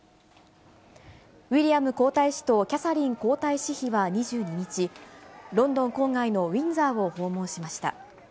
ウィリアム皇太子とキャサリン皇太子妃は２２日、ロンドン郊外のウィンザーを訪問しました。